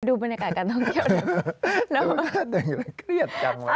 ดูบรรยากาศการท่องเที่ยว